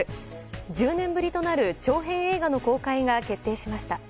１０年ぶりとなる長編映画の公開が決定しました。